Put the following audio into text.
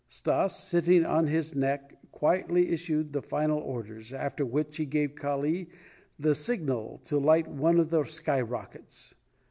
Stas, sitting on his neck, quietly issued the final orders, after which he gave Kali the signal to light one of the sky rockets.